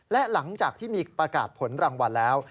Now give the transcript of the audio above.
และหลังจากที่มีประกาศผลรางวัลแล้ว